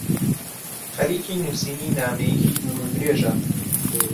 خەریکی نووسینی نامەیەکی دوورودرێژە.